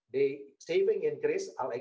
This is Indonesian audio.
bisa kita pindah ke tempat lain